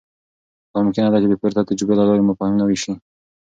دا ممکنه ده چې د پورته تجربو له لارې مفاهیم نوي سي.